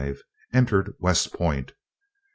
Entered West Point. 1829.